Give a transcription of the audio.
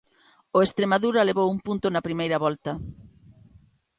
O Estremadura levou un punto na primeira volta.